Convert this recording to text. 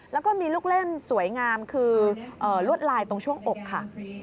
แล้วก็มีลูกเล่นสวยงามคือลวดลายตรงช่วงอกค่ะ